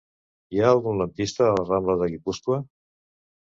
Hi ha algun lampista a la rambla de Guipúscoa?